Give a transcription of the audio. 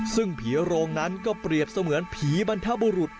ซึ่งผีโรงนั้นก็เปรียบเสมือนผีบรรทบุรุษ